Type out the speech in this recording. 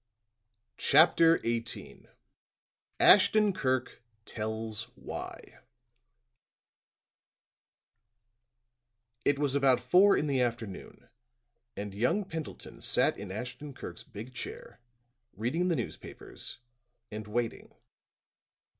CHAPTER XVIII ASHTON KIRK TELLS WHY It was about four in the afternoon, and young Pendleton sat in Ashton Kirk's big chair, reading the newspapers and waiting.